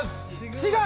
違う？